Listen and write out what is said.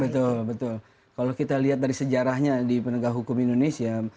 betul betul kalau kita lihat dari sejarahnya di penegak hukum indonesia